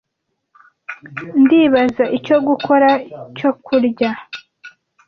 Ndibaza icyo gukora cyo kurya.